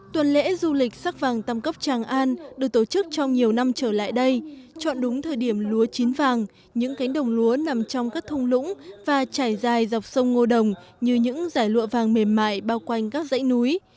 tuần lễ du lịch sắc vàng tam cốc tràng an được tổ chức trong nhiều năm trở lại đây chọn đúng thời điểm lúa chín vàng những cánh đồng lúa nằm trong các thông lũng và trải dài dọc sông ngô đồng như những giải lụa vàng mềm mại bao quanh các dãy núi